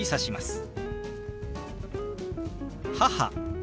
「母」。